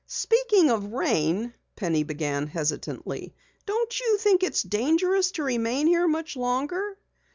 "Speaking of rain," Penny began hesitantly, "Don't you think it's dangerous to remain here much longer?"